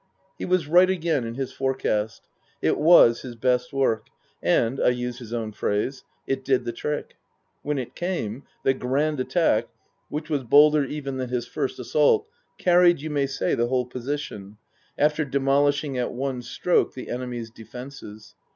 He was right again in his forecast. It was his best work, and (I use his own phrase) it did the trick. When it came, the Grand Attack (which was bolder even than his first assault) carried, you may say, the whole position, after demolishing at one stroke the enemy's defences.